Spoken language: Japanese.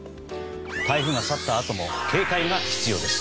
台風が去ったあとも警戒が必要です。